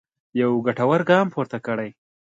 یو ګټور ګام پورته کړی.